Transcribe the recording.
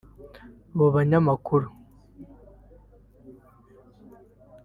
Abo banyamakuru